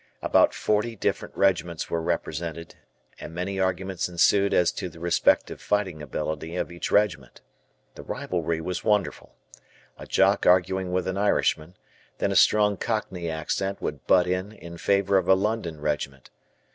About forty different regiments were represented and many arguments ensued as to the respective fighting ability of each regiment. The rivalry was wonderful. A Jock arguing with an Irishman, then a strong Cockney accent would butt in in favor of a London Regiment.